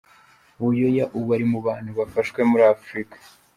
Buyoya ubu ari mu bantu bubashwe muri Afrika.